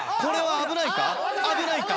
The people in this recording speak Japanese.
危ないか？